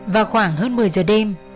vào khoảng hơn một mươi giờ đêm